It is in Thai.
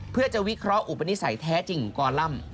เพื่อจะวิเคราะห์อุปนิสัยแท้จริงของกรัม